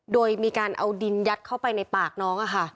โดยมีการเอาดินยัดเข้าไปในปากน้อง